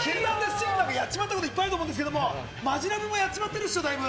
チーム、やっちまったこと、いっぱいあると思うんですけど、マヂラブもやっちまってるでしょ、だいぶ。